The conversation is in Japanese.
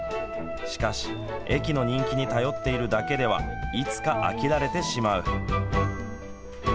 しかし、駅の人気に頼っているだけではいつか飽きられてしまう。